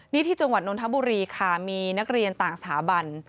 นี่ที่จังหวัดนนทบุรีค่ะมีนักเรียนต่างสถาบัน